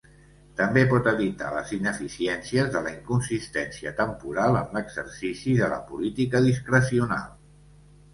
També pot evitar les ineficiències de la inconsistència temporal en l'exercici de la política discrecional.